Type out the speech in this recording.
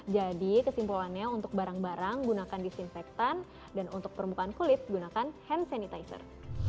jadi kesimpulannya untuk barang barang gunakan disinfektan dan untuk permukaan kulit gunakan hand sanitizer